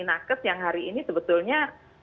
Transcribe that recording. nakes yang hari ini sebetulnya